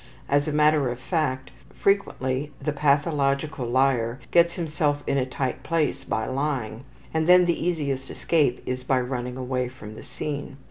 As a matter of fact, frequently the pathological liar gets himself in a tight place by lying, and then the easiest escape is by running away from the scene.